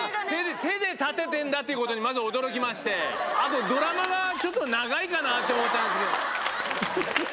手で立ててんだということにまず驚きまして、あとドラマがちょっと長いかなって思ったんですけど。